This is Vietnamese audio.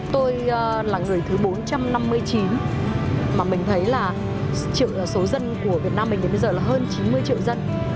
tôi là người thứ bốn trăm năm mươi chín mà mình thấy là triệu số dân của việt nam mình đến bây giờ là hơn chín mươi triệu dân